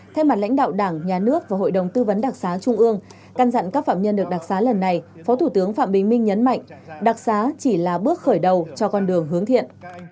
thay mặt lãnh đạo đảng nhà nước và hội đồng tư vấn đặc xá trung ương căn dặn các phạm nhân được đặc xá lần này phó thủ tướng phạm bình minh nhấn mạnh đặc xá chỉ là bước khởi đầu cho con đường hướng thiện